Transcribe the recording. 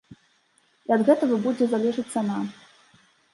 І ад гэтага будзе залежыць цана.